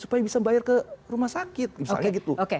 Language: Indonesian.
supaya bisa bayar ke rumah sakit misalnya gitu